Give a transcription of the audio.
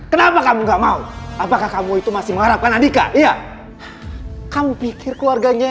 kenapa kamu gak mau apakah kamu itu masih mengharapkan andika iya kamu pikir keluarganya